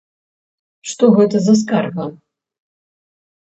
Што гэта за скарга?